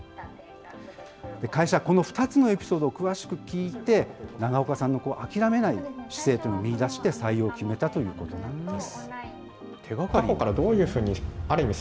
会社はこの２つのエピソードを詳しく聞いて、長岡さんの諦めない姿勢というのを見いだして、採用を決めたということなんです。